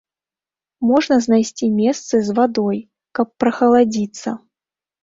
Можна знайсці месцы з вадой, каб прахаладзіцца.